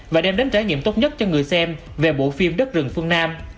và đem đến trải nghiệm tốt nhất cho người xem về bộ phim đất rừng phương nam